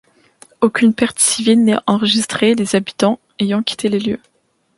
Aucune perte civile n'est enregistrée, les habitants ayant quitté les lieux.